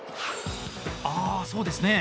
ああ、そうですね。